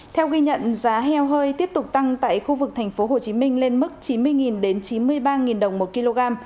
theo ghi nhận giá heo hơi tiếp tục tăng tại khu vực tp hcm lên mức chín mươi chín mươi ba đồng một kg